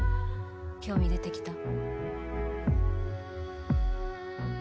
興味出てきた？